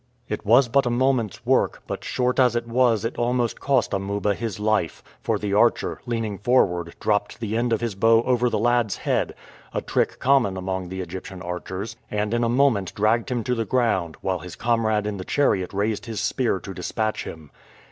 It was but a moment's work, but short as it was it almost cost Amuba his life, for the archer, leaning forward, dropped the end of his bow over the lad's head a trick common among the Egyptian archers and in a moment dragged him to the ground, while his comrade in the chariot raised his spear to dispatch him.